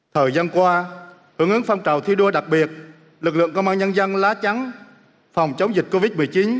thời gian qua hướng ứng phong trào thi đua đặc biệt lực lượng công an nhân dân la cháng phòng chống dịch covid một mươi chín